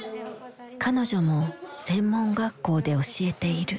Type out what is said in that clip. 彼女も専門学校で教えている。